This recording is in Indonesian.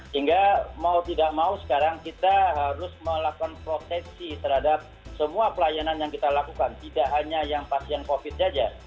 sehingga mau tidak mau sekarang kita harus melakukan proteksi terhadap semua pelayanan yang kita lakukan tidak hanya yang pasien covid saja